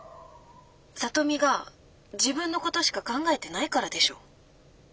里美が自分のことしか考えてないからでしょ。